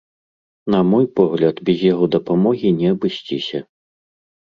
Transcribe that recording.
На мой погляд, без яго дапамогі не абысціся.